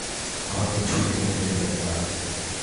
আমাকে ছুড়ে ফেলে দেবেন না।